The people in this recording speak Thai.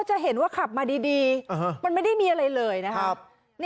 จะเห็นว่าขับมาดีมันไม่ได้มีอะไรเลยนะครับ